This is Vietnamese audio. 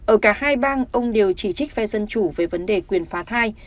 ở cả hai bang ông đều chỉ trích phe dân chủ về vấn đề quyền phá thai